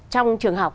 trong trường học